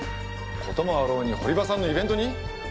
こともあろうに堀場さんのイベントに？